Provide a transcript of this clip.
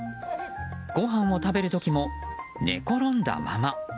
ごはんを食べる時も寝転んだまま。